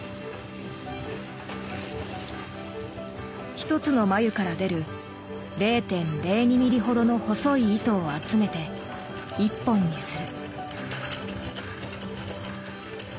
一つの繭から出る０．０２ミリほどの細い糸を集めて一本にする。